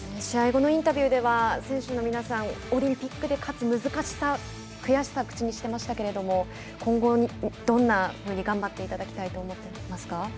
試合後のインタビューでは選手の皆さんオリンピックで勝つ難しさ悔しさ口にしてましたけれども今後どんなふうに頑張っていただきたいと思いますか？